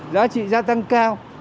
giá trị gia tăng cao